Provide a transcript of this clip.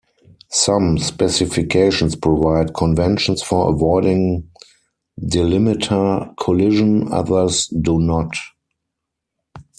Some specifications provide conventions for avoiding delimiter collision, others do not.